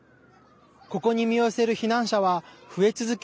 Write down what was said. ここに身を寄せる避難者は増え続け